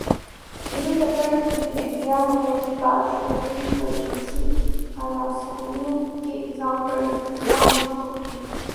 علی ظفر کی اہلیہ نے پہلی بار شوہر پرجنسی ہراسانی کے الزام پر خاموشی توڑ دی